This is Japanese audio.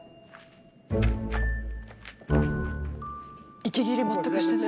息切れ全くしてない。